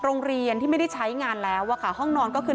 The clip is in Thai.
มีแต่เสียงตุ๊กแก่กลางคืนไม่กล้าเข้าห้องน้ำด้วยซ้ำ